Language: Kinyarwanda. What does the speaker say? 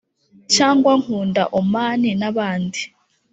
cyangwa "nkunda omani na bandi",